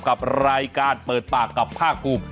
กับรายการเปิดปากกับผ้ากลุ่ม